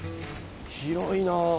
広いなあ。